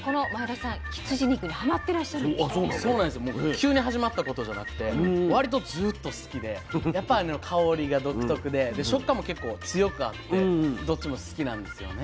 急に始まったことじゃなくてわりとずっと好きでやっぱあの香りが独特で食感も結構強くあってどっちも好きなんですよね。